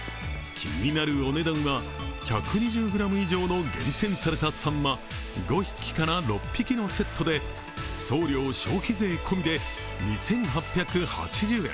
気になるお値段は１２０ｇ以上の厳選されたさんま５匹から６匹のセットで送料・消費税込みで２８８０円。